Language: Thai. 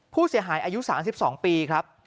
ผู้เสียหายอายุ๓๒ปีครับ